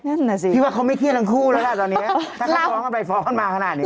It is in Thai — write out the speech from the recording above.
นั่นน่ะสิพี่ว่าเขาไม่เครียดทั้งคู่แล้วล่ะตอนนี้ถ้าเขาฟ้องกันไปฟ้องกันมาขนาดนี้